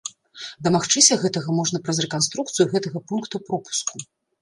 Дамагчыся гэтага можна праз рэканструкцыю гэтага пункта пропуску.